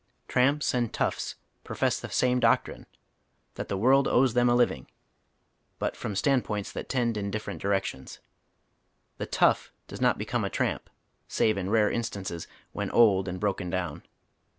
Tramps and tonglis profess the same doctrine, that the world owes them a living, but from atand points that tend in different directions. The tough does not become a tramp, save in rare instances, when old and broken down.